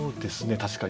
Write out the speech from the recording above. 確かに。